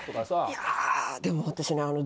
いやでも私。